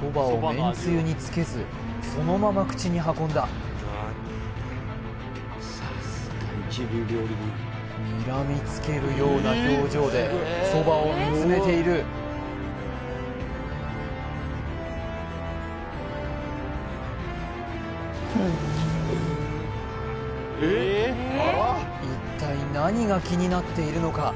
そばをめんつゆにつけずそのまま口に運んだにらみつけるような表情でそばを見つめている一体何が気になっているのか？